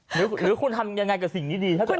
หรือคุณทำยังไงกับสิ่งนี้ดีถ้าเกิด